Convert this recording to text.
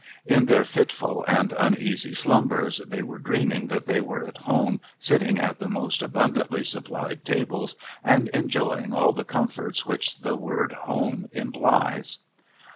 In their fitful and uneasy slumbers they were dreaming that they were at home sitting at the most abundantly supplied tables and enjoying all the comforts which the word home implies.